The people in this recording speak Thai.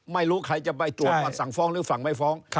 ไม่รู้ใครจะไปตรวจว่าสั่งฟ้องหรือสั่งไม่ฟ้อง